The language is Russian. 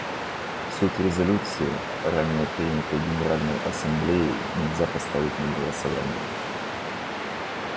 Суть резолюции, ранее принятой Генеральной Ассамблеей, нельзя поставить на голосование.